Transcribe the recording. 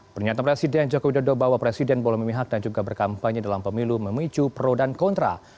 pernyataan presiden jokowi dodo bahwa presiden boleh memihak dan juga berkampanye dalam pemilu memicu pro dan kontra